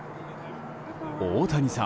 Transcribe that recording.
大谷さん